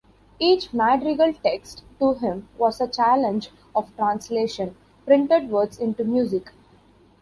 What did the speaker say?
Each madrigal text, to him, was a challenge of "translation": printed word into music.